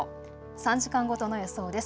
３時間ごとの予想です。